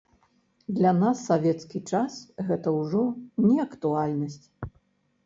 Для нас савецкі час гэта ўжо не актуальнасць.